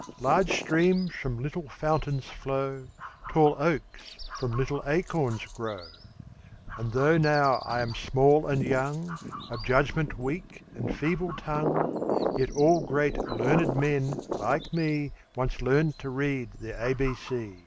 Large streams from little fountains flow, Tall oaks from little acorns grow; And though now I am small and young, Of judgment weak and feeble tongue, Yet all great, learned men, like me Once learned to read their ABC.